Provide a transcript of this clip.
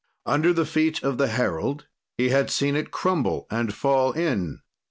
"Under the feet of the herald he had seen it crumble and fall in.